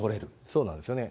そうなんですよね。